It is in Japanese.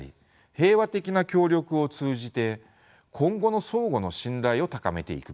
平和的な協力を通じて今後の相互の信頼を高めていくべきです。